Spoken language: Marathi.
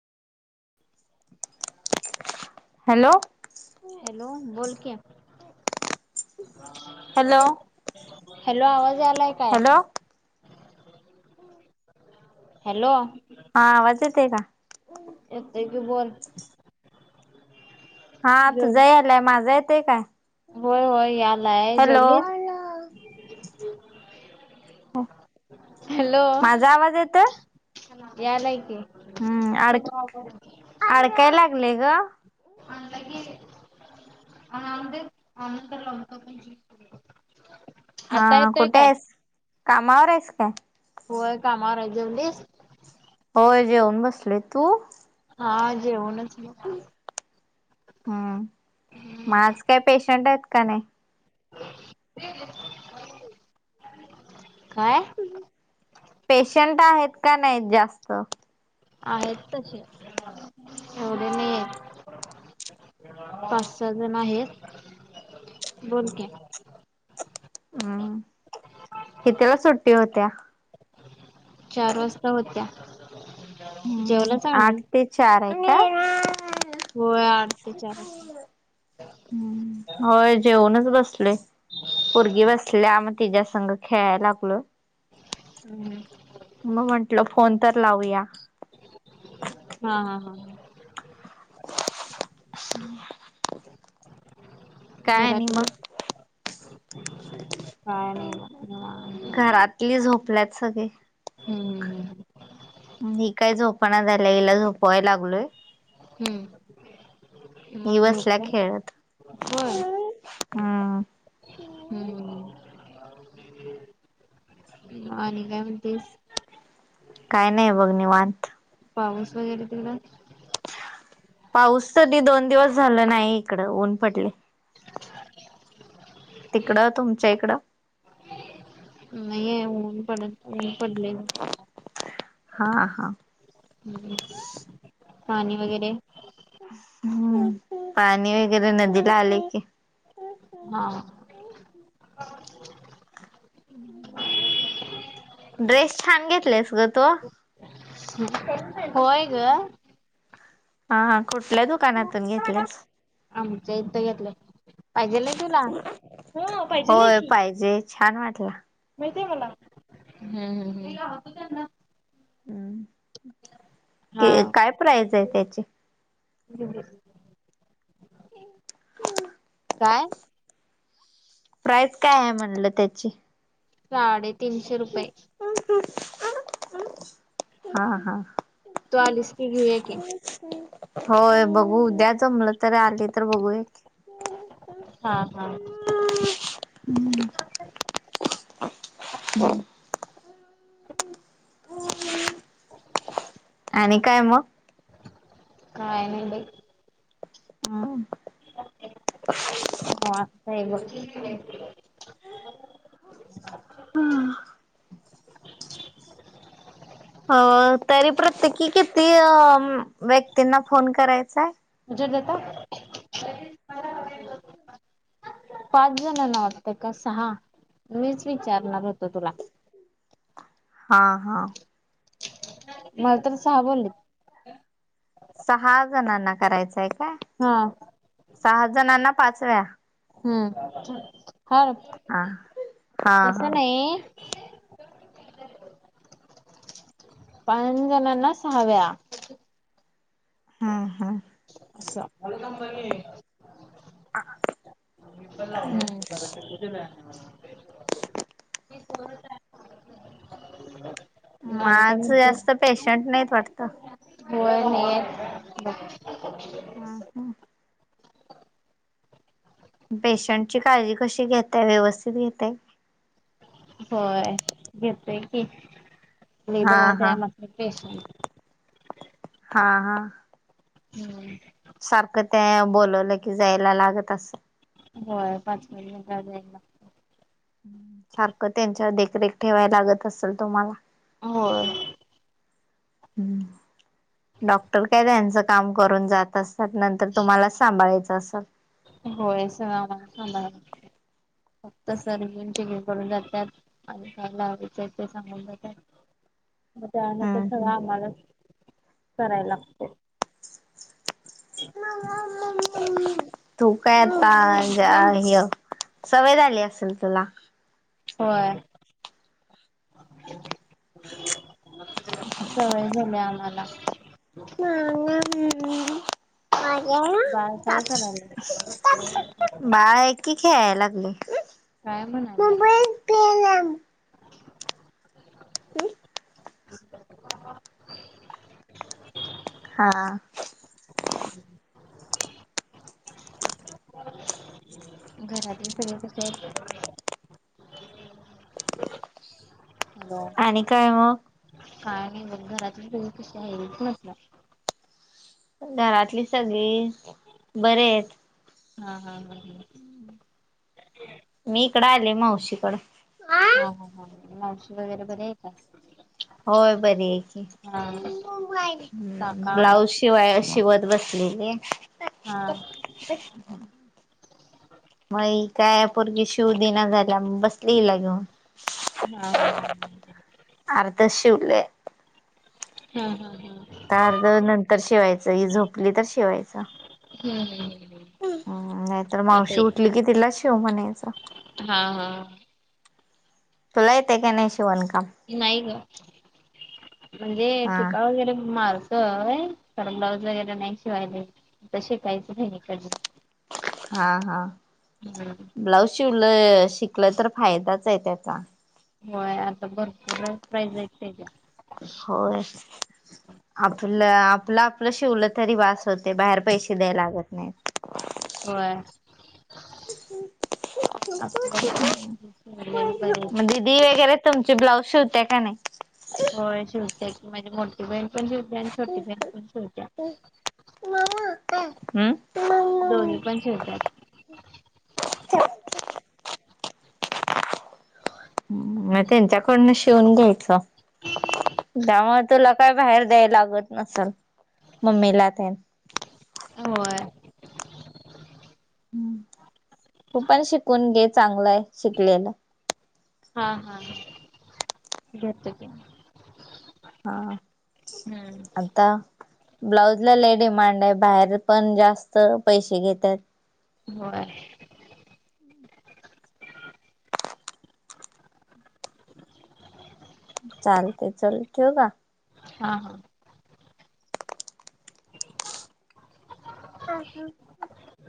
Hello hello. बोल की, हॅलो. हॅलो आवाज यालाय काय. Hello hello. आ आवाज येतय का? येतंय तू बोल. हा तुझा यालाय माझं येतोय काय? हो हो यालाय हॅलो जेवलीस. [inaudible] हॅलो माझा आवाज येतोय. यालाय की. हम्म अड अडकाय लागलय ग आणलं की [unintelligible] आनंतर लावत [unintelligible] हा कुठं आहेस कामावर आहेस काय? व्हय कामावर आहे जेवलीस. होय जेवून बसलोय तू हा जेवूनच बग. हम्म म आज काय पेशंट आहेत काय नाही. [inaudible] काय? पेशंट आहेत का नाही जास्त. आहेत तसे एवढे नाही आहेत. पाच सहा जण आहेत बोल की. हम्म कितीला सुट्टी होत्या. चार वाजता होत्या हम्म जेवलाच आठ आम्ही. ते चार आहे काय? होय आठ ते चार असतील. हम्म होय जेवूनच बसलोय पोरगी बसल्या मग तिच्या संघ खेळायला लागलोय. हम्म म म्हंटलं फोन तर लावूया. हा हा हा. [inaudible] काय आणि घरातली मग काय नाही बग निवांत. इथली झोपल्यात सगळी. हम्म. मी काय झोपणा झालंय हिला झोपवाय लागलोय. हम्म. म ही बसल्या झोपल खेळत. होय. हम्म. हम्म आणि काय म्हणतेस. काय नाय बघ निवांत. पाऊस वगैरे तिला पाऊस तधी दोन दिवस झालं नाही इकडं ऊन पडलंय. तिकडं तुमच्या इकडं. नाही आहे ऊन पड ऊन पडलय. हां हां. पाणी वगैरे हम्म पाणी वगैरे नदीला आलंय की हां ड्रेस छान घेतल्यास गं तो. होय गं. अ हा कुठल्या दुकानातून घेतलेस. आमच्या इथ घेतलं पाहिजेलं आहेत तुला हो पाहिजेल आहे होय की. पाहिजे छान वाटला. माहित आहे मला हं ह्म ह्म [unintelligible] यांना हम् हं हा ते काय प्राईज आहे त्याची [unintelligible] आं काय?? प्राईस काय आहे? म्हणलं त्याची. साड़े तीनशे रुपये अं अं आं अं हा हा तू आलीस की घेऊया की. हं होय बघू उद्या जमलं तर आले तर बघू ए हा हा अं ह्म ह्म हंम [inaudible] आणि काय मग? काय? नाही बाई अं हं हा आता हे बघ [unintelligible] अ ह्म्म हो अ तरी प्रत्येकी किती अं व्यक्तींना फोन करायचाय? [unintelligible] हं पाच जणांना वाटतं का सहा मीच विचारणार होतो तुला. हा हा मला तर सहा बोलेत सहा जणांना करायचंय का? हां. सहा जणांना पाच वेळा. हम्म हो ओ हा हा हा. तसं नाही.. पां अं जणांना सहा वेळा. हंम ह्म्म [unintelligible] ह्म्म [unintelligible] [unintelligible] माझं जास्त पेशंट नाहीत वाटतं हो होय बघ [unintelligible] पेशंटची काळजी कशी घेताय? व्यवस्थित घेताय? होय घेतो की, लय हा दमवतोय हा आम्हा हे टेशन हा हा आं ह्म्म ह्म सारखं त्या बोलवलं की जायला लागत असं होय पाच महिने झाले ह्यांना सारखं त्यांच्यावर देखरेख ठेवायला लागत असेल तुम्हाला? होय.. डॉक्टर काय त्यांचं काम करून जात असतील. मग नंतर तुम्हालाच सांभाळायचं असलं. होय सगळ आम्हालाच सांभाळायला लागतय. फक्त सर येऊन चेकिंग करून जातत्यात आणि काय लावीचा आहे ते सांगून जातय. म त्यानंतर हम्म सगळं हम्म. आम्हालाच कराय लागते. मम्मा मम् मम् मम्मी तू काय आता ज आ हे आता सवय झाली असेल तुला. [unintelligible] सवय झालेयं आम्हाला. [unintelligible] बाळ काय करायलय? बाळा एकी खेळाय लागली. काय म्हणाल्या? [unintelligible] [unintelligible] [inaudible] हा. घरातले सगळे कशे आहेत? हॅलो आणि काय मग? काय नाही बघ घरात [unintelligible] कशी आहेच नसला. घरातली सगळी बरे आहेत. हा हा हा हा. मी इकडं आले मावशीकडं. हा हा हा मावशी वगैरे बरे आहे का? होय बरी आहे हा की काका ब्लाऊज शिवाय शिवत बस लेले हा होय काय पोरगी शिवू दे ना गला बस त्रि ला घेऊ हा हा हा हा हा हा हा अर्ध्या शिवलंय हा हा हा. अर्ध नंतर शिवायचं ही झोपली तर शिवायचं. हम्म हम्म हम्म. हम्म नाहीतर मावशी आता उठली कि तिला शीव म्हणायचं. हा हा. तुला येतेयं का नाय शिवणकाम? नाही गं म्हणजे हा टिपा वगैरे मार तय कारण ब्लाऊज वगैरे नाही शिवायला तर शिकायचं बहिणीकडला. हा हा हम्म. ब्लाउज शिवलं शिकलं तर फायदाच आहे त्याचा. होय आता भरपूर प्राईज आहेत त्याज्या. होयं. आपलं आपलं आपलं शिवलं तरी बस होते बाहेर पैशे द्याय लागत नाही. होय. आपल्या हे बरे तदि वेगैरे तुम्हची ब्लाउज शिवते का नाय? होय शिवते की माझी मोठी बहीण पण शिवते आणि छोटी बहीण पण शिवत्या. हम्म दोन्ही पण शिवत्यात. [unintelligible] [inaudible] म त्यांच्याकडून शिवून घ्यायच. काय बाहेर जायला लागत नसल मम्मीलातेन. होय. तू पण शिकून घे चांगलंय शिकलेलं. हा हा घेत हा हम्म आता ब्लाऊजला लयं डिमांड आहे बाहेर पण जास्त पैशे घेत्यात. होय. चालते चल ठेवू का? हा हा. ह ह